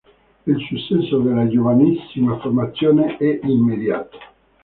Il successo della giovanissima formazione è immediato.